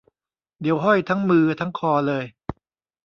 เดี๋ยวห้อยทั้งมือทั้งคอเลย